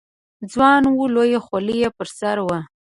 ځوان و، لویه خولۍ یې پر سر وه.